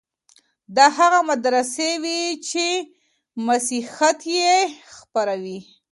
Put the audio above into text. دا هغه مدرسې وې چي مسيحيت يې خپراوه.